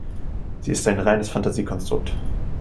Sie ist ein reines Fantasiekonstrukt.